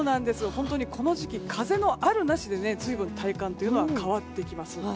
この時期、風のあるなしで随分、体感は変わってきます。